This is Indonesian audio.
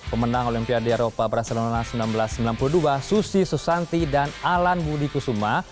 pemenang olimpiade eropa barcelona seribu sembilan ratus sembilan puluh dua susi susanti dan alan budi kusuma